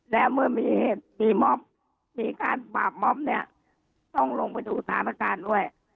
และเมื่อมีเหตุมีม็อบมีการบาปม๊อบเนี่ยต้องลงไปดูสถานการณ์ด้วย